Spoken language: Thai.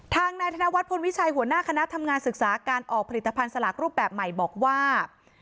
ทางนายธนวัฒนพลวิชัยหัวหน้าคณะทำงานศึกษาการออกผลิตภัณฑ์สลากรูปแบบใหม่บอกว่า